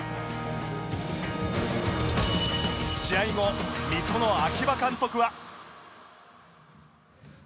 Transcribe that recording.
試合後水戸の秋葉監督は